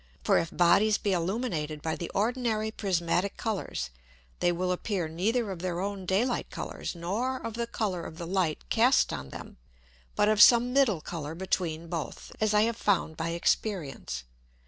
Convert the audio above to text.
For if Bodies be illuminated by the ordinary prismatick Colours, they will appear neither of their own Day light Colours, nor of the Colour of the Light cast on them, but of some middle Colour between both, as I have found by Experience.